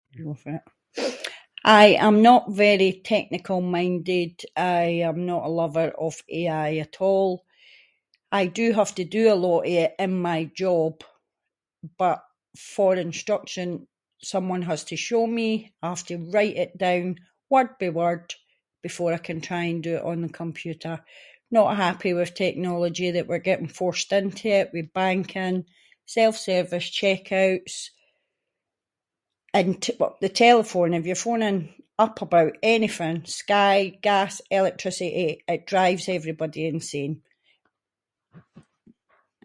[inc] I am not very technical minded, I am not a lover of AI at all, I do have to do a lot of it in my job, but for instruction someone has to show me, I have to write it down, word by word, before I can try and do it on the computer. Not happy with technology that we’re getting forced into it, with banking, self-service checkouts and t- w- the telephone, if you’re phoning up about anything, Sky, gas, electricity, it drives everybody insane.